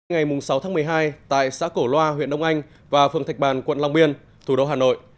ngày sáu tháng một mươi hai tại xã cổ loa huyện đông anh và phường thạch bàn quận long biên thủ đô hà nội